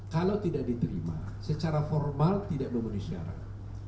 kalau tidak diterima secara formal tidak memenuhi syarat